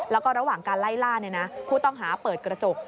แล้วก็ระหว่างการไล่ล่าผู้ต้องหาเปิดกระจก